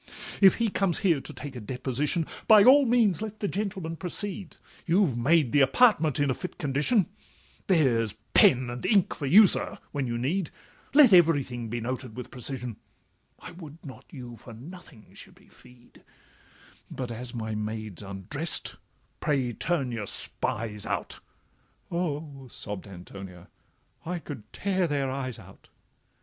'If he comes here to take a deposition, By all means let the gentleman proceed; You've made the apartment in a fit condition: There's pen and ink for you, sir, when you need— Let every thing be noted with precision, I would not you for nothing should be fee'd— But, as my maid 's undrest, pray turn your spies out.' 'Oh!' sobb'd Antonia, 'I could tear their eyes out.